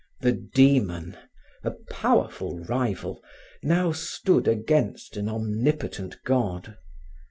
The Demon, a powerful rival, now stood against an omnipotent God.